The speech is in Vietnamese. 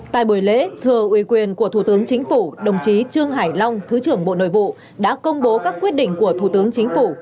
tại buổi lễ thưa uy quyền của thủ tướng chính phủ đồng chí trương hải long thứ trưởng bộ nội vụ đã công bố các quyết định của thủ tướng chính phủ